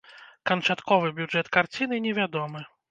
Канчатковы бюджэт карціны невядомы.